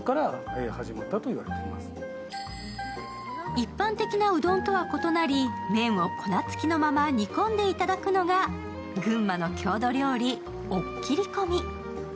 一般的なうどんとは異なり、麺を粉つきのまま煮込んでいただくのが群馬の郷土料理、おっきりこみ。